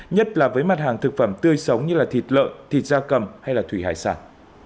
nhất là với mặt hàng thực phẩm tươi sống như thịt lợn thịt da cầm hay thủy hải sản